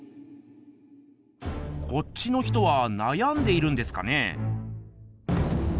こっちの人はなやんでいるんですかね。